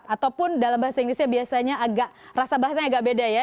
ataupun dalam bahasa inggrisnya biasanya agak rasa bahasanya agak beda ya